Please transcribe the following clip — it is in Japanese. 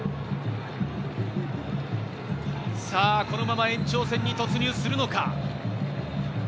このまま延長戦に突入するのか。